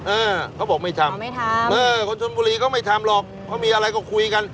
เออเขาบอกไม่ทำไม่ทำเออคนชนบุรีเขาไม่ทำหรอกเขามีอะไรก็คุยกัน